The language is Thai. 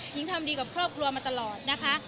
หญิงทำดีกับครอบครัวมาตลอดนะคะ